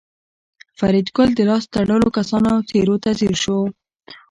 فریدګل د لاس تړلو کسانو څېرو ته ځیر شو